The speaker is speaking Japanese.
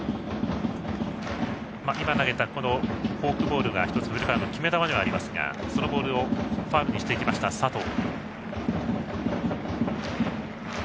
今投げたフォークボールが１つ、古川の決め球ではありますがそれをファウルにした佐藤。